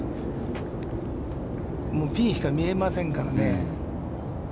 もうピンしか見えませんからね。